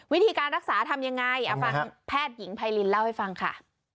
วิธีการรักษาทำยังไงเอาฟังแพทย์หญิงไพรินเล่าให้ฟังค่ะ